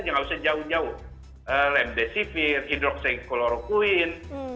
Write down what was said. juga nggak usah jauh jauh lambdesivir hidroksikloroquine